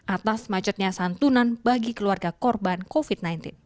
atas macetnya santunan bagi keluarga korban covid sembilan belas